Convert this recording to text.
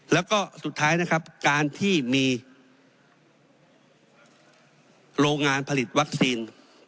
แล้วก็สุดท้ายนะครับการที่มีโรงงานผลิตวัคซีน